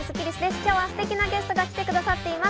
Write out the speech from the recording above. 今日はステキなゲストが来てくださっています。